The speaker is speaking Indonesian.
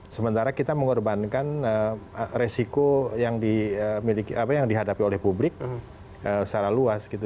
sementara kita mengorbankan resiko yang dihadapi oleh publik secara luas gitu